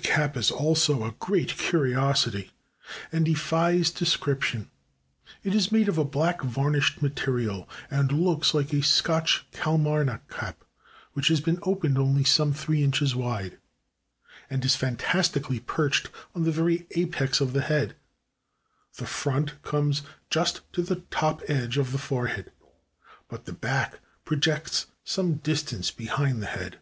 The cap is also a great curiosity, and defies descrip tion; it is made of a black varnished material, and looks like a Scotch Kalmarnock cap, which has been opened only some three inches wide, and is fantastically perched on the very apex of the head ; the front comes just to the top edge of the forehead, but the back projects some dis tance behind the head.